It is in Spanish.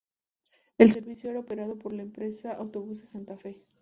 El servicio era operado por la empresa Autobuses Santa Fe.